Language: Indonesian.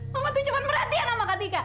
mama tuh cuma perhatian sama kak tika